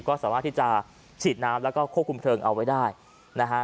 ก็สามารถที่จะฉีดน้ำแล้วก็ควบคุมเพลิงเอาไว้ได้นะฮะ